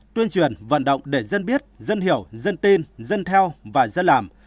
tuyên truyền vận động để dân biết dân hiểu dân tin dân theo và dân làm